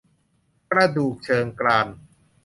กระดูกเชิงกราน